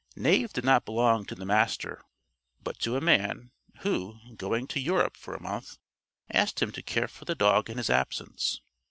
Knave did not belong to the Master, but to a man who, going to Europe for a month, asked him to care for the dog in his absence.